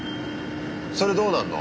それどうなんの？